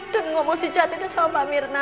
dan ngomong si jat itu sama mbak mirna